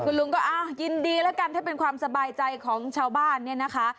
ลุงก็อ้าวยินดีแล้วกันถ้าเป็นความสบายใจของชาวบ้านเนี่ยนะคะ